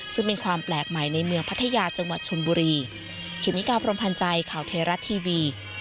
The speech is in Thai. ซึ่งเป็นความแปลกใหม่ในเมืองพัทยาจังหวัดชนบุรี